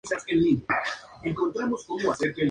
Siendo la franquicia el primer campeón del Torneo.